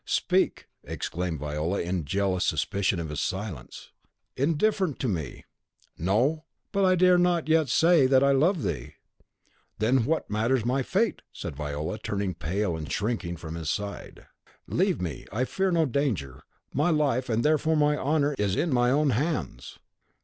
"Speak!" exclaimed Viola, in jealous suspicion of his silence. "Indifferent to me! No; but I dare not yet say that I love thee." "Then what matters my fate?" said Viola, turning pale, and shrinking from his side; "leave me, I fear no danger. My life, and therefore my honour, is in mine own hands."